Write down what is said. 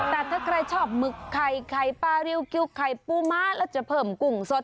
แต่ถ้าใครชอบหมึกไข่ไข่ปลาริวกิวไข่ปูม้าแล้วจะเพิ่มกุ้งสด